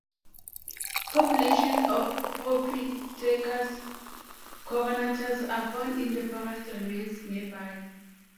Populations of Propithecus coronatus are found in the forest remains nearby.